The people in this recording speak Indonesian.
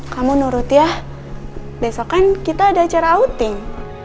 kamu nurut ya besok kan kita ada acara outing